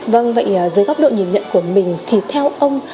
vâng vậy dưới góc độ nhìn nhận của mình thì theo ông